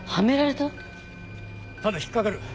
ただ引っ掛かる。